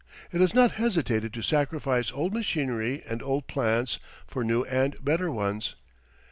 It has not hesitated to sacrifice old machinery and old plants for new and better ones.